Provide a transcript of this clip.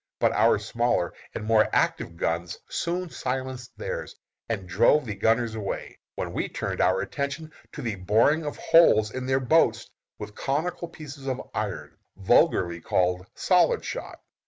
But our smaller and more active guns soon silenced theirs, and drove the gunners away, when we turned our attention to the boring of holes in their boats with conical pieces of iron, vulgarly called solid shot.